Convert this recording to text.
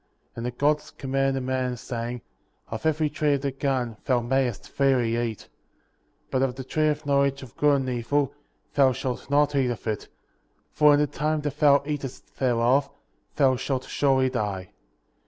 12. And the Gods commanded the man, saying: Of every tree of the garden thou mayest freely eat, 13. But of the tree of knowledge of good and evil, thou shalt not eat of it; for in the time that thou eatest thereof, thou shalt surely die.